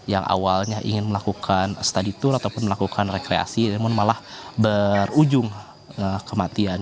yang awalnya ingin melakukan study tour ataupun melakukan rekreasi namun malah berujung kematian